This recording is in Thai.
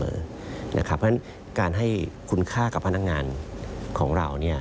เพราะฉะนั้นการให้คุณค่ากับพนักงานของเรา